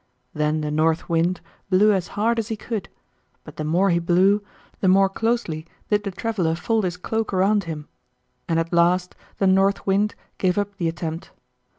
Then the North Wind blew as hard as he could, but the more he blew the more closely did the traveler fold his cloak around him; and at last the North Wind gave up the attempt.